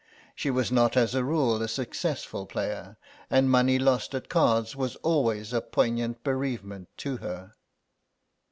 She was not as a rule a successful player, and money lost at cards was always a poignant bereavement to her.